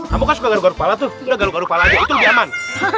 kamu kan suka garuk garuk kepala tuh udah garuk garuk kepala aja itu lebih aman